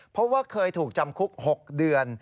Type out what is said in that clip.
เพราะว่าเคยถูกจำคุก๖เดือน